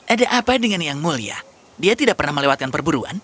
ada apa dengan yang mulia dia tidak pernah melewatkan perburuan